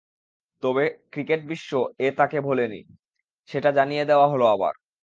তবে ক্রিকেট বিশ্ব এ তাঁকে ভোলেনি, সেটা জানিয়ে দেওয়া হলো আবার।